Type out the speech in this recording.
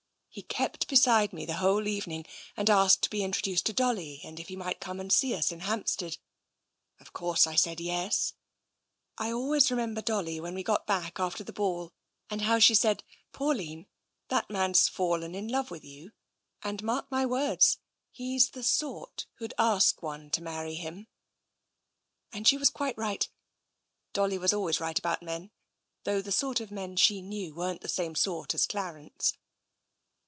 He kept beside me the whole evening and asked to be introduced to Dolly and if he might come and see us in Hampstead. Of course she said yes. I always remember Dolly when we got bade, after the ball, and how she said, * Pauline, that man*s fallen in love with you. And, mark my words, he's the sort who'^d ask one to marry him,' " And she was quite right. Dolly was always right about men, though the sort of men she knew weren't the same sort as Clarence.